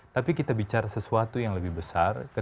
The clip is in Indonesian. tapi kita bicara sesuatu yang lebih besar